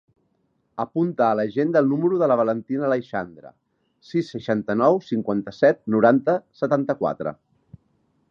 Apunta a l'agenda el número de la Valentina Aleixandre: sis, seixanta-nou, cinquanta-set, noranta, setanta-quatre.